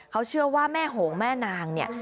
เขาเชื่อว่าแม่โหงแม่นางเนี่ย